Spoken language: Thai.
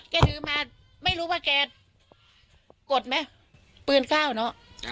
แกทื้อมาไม่รู้ว่ากับแกกดมั้ยปืนก้าวเนอะ